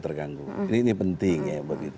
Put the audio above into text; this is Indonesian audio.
terganggu ini penting ya